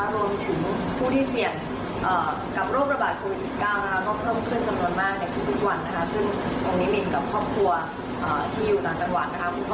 รวมถึงผู้ที่เสียงกับโรคประบาดโควิด๑๙